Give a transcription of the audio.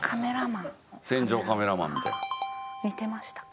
見てましたか？